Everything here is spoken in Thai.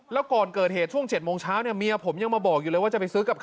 แล้วก่อนเกิดเหตุช่วง๗โมงเช้าเนี่ยเมียผมยังมาบอกอยู่เลยว่าจะไปซื้อกับข้าว